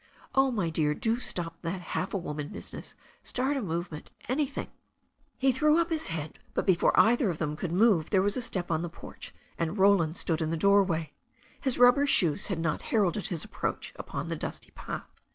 "Oh, my dear, do stop that half a woman business. Start a movement, anything " He threw up his head, but before either of them could move there was a step on the porch and Roland stood in the idoorway. His rubber shoes had not heralded his approach upon the dusty path.